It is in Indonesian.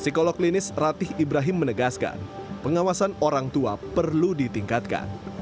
psikolog klinis ratih ibrahim menegaskan pengawasan orang tua perlu ditingkatkan